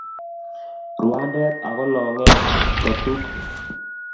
Ruandet ak ko Long'et ko tuk